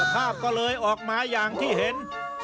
ภาพก็เลยออกมาอย่างที่เห็น